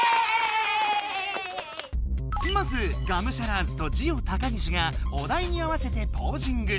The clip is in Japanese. まずガムシャラーズとジオ高岸がお題に合わせてポージング！